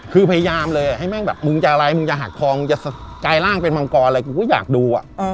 คือพยายามเลยให้แม่งแบบมึงจะอะไรมึงจะหักคลองจะสกายร่างเป็นมังกรอะไรกูก็อยากดู